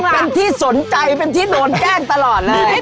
เป็นที่สนใจไปโดนแกล้งตลอดเลย